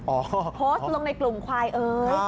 โอ้โหโพสต์ลงในกลุ่มควายเอ๋ย